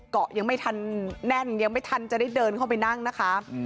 ก็ยังไม่ทันแน่นยังไม่ทันจะได้เดินเข้าไปนั่งนะคะ